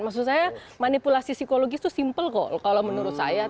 maksud saya manipulasi psikologis itu simpel kok kalau menurut saya